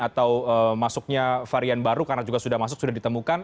atau masuknya varian baru karena juga sudah masuk sudah ditemukan